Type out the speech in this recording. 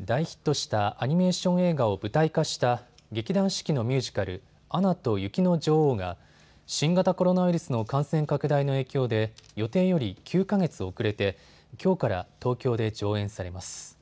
大ヒットしたアニメーション映画を舞台化した劇団四季のミュージカル、アナと雪の女王が新型コロナウイルスの感染拡大の影響で予定より９か月遅れてきょうから東京で上演されます。